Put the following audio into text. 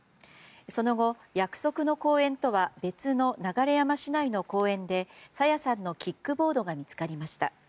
その後、約束の公園とは別の流山市内の公園で朝芽さんのキックボードが見つかりました。